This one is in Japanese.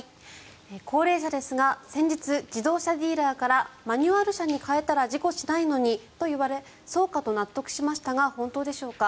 高齢者ですが先日、自動車ディーラーからマニュアル車に変えたら事故しないのにと言われそうかと納得しましたが本当でしょうか？